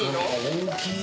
大きい。